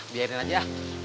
biarin aja ya